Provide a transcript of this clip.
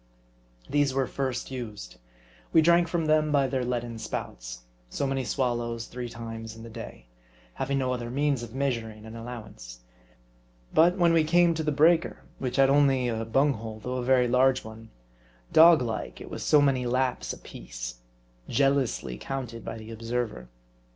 These were first used. We drank from them by their leaden spouts ; so many swallows three times in the day ; having no other means of measur ing an allowance. But when we came to the breaker, which had only a bung hole, though a very large 'one, dog like, it was so many laps apiece ; jealously counted by the observer.